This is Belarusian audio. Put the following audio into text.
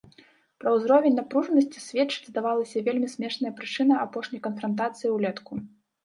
Пра ўзровень напружанасці сведчыць, здавалася, вельмі смешная прычына апошняй канфрантацыі ўлетку.